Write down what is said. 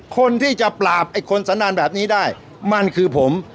คนที่จะปราบไอ้คนสันนานแบบนี้ได้มันคือผม